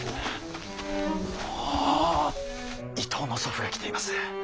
伊東の祖父が来ています。